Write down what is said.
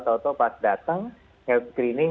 kalau pas datang health screening